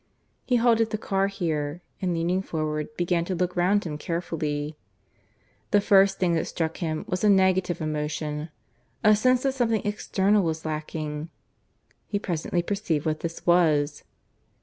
He halted the car here, and leaning forward, began to look round him carefully. The first thing that struck him was a negative emotion a sense that something external was lacking. He presently perceived what this was.